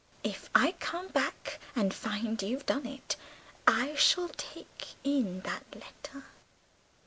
If I come back and find you've done it I shall take in that letter!"